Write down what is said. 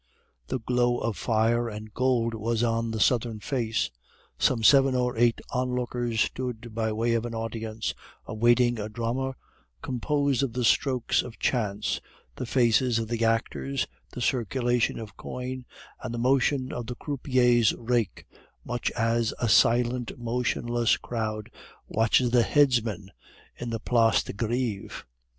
The glow of fire and gold was on that southern face. Some seven or eight onlookers stood by way of an audience, awaiting a drama composed of the strokes of chance, the faces of the actors, the circulation of coin, and the motion of the croupier's rake, much as a silent, motionless crowd watches the headsman in the Place de Greve.